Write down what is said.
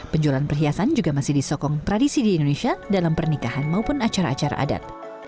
penjualan perhiasan juga masih disokong tradisi di indonesia dalam pernikahan maupun acara acara adat